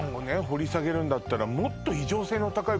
掘り下げるんだったらもっとえっ？